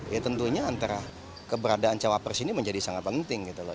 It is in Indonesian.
ya tentunya antara keberadaan cawapres ini menjadi sangat penting gitu loh